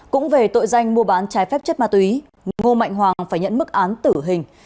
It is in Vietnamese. cũng về tội danh mua bán trái phép chất ma túy ngô mạnh hoàng phải nhận mức án tử hình